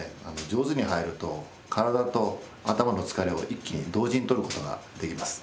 上手に入ると体と頭の疲れを一気に同時にとることができます。